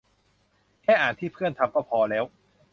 แค่อ่านที่เพื่อนทำก็พอแล้ว